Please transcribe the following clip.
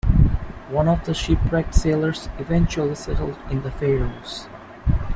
One of the shipwrecked sailors eventually settled in the Faroes.